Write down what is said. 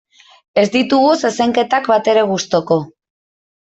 Ez ditugu zezenketak batere gustuko.